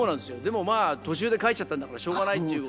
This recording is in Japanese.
でもまあ途中で帰っちゃったんだからしょうがないっていうことで。